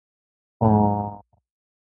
図書館は静かです。